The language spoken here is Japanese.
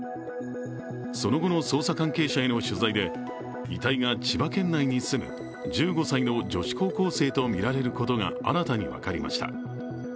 その後の捜査関係者への取材で遺体が千葉県内に済む１５歳の女子高校生とみられることが新たに分かりました。